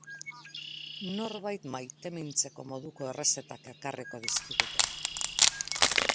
Norbait maitemintzeko moduko errezetak ekarriko dizkigute.